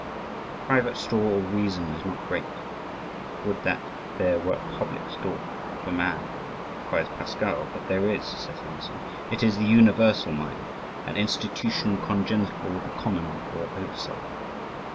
"The private store of reason is not great would that there were a public store for man," cries Pascal, but there is, says Emerson, it is the universal mind, an institution congenital with the common or over soul.